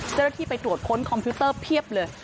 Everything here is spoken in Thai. เจ้าหน้าที่ไปตรวจค้นคอมพิวเตอร์เพียบเลย